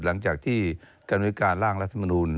หลังจากที่กรรมวิการร่างรัฐมนูล